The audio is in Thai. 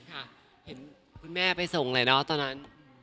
คุณแม่ไปส่งอะไรเนอะตอนนั้น